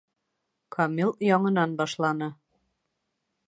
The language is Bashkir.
Камил яңынан башланы.